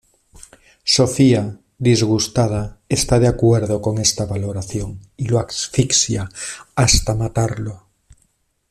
Sofia, disgustada, está de acuerdo con esta valoración y lo asfixia hasta matarlo.